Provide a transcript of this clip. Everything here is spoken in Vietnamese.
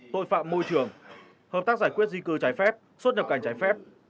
tội phạm môi trường hợp tác giải quyết di cư trái phép xuất nhập cảnh trái phép